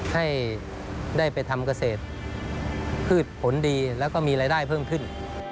ให้ได้ไปทำเกษตรพืชผลดีแล้วก็มีรายได้เพิ่มขึ้น